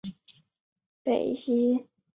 主要河流九龙江北溪。